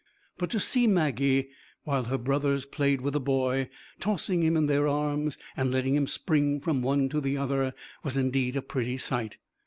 But to see Maggie while her brothers played with the boy, tossing him in their arms, and letting him spring from one to the other, was indeed a pretty sight.